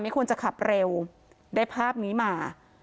ควรจะขับเร็วได้ภาพนี้มา